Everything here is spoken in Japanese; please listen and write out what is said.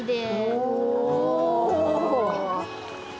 お。